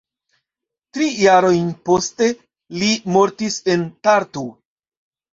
Tri jarojn poste li mortis en Tartu.